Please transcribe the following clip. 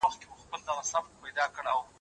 ما د ښوونځي کتابونه مطالعه کړي دي